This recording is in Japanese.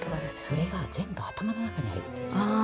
それが全部頭の中に入っている。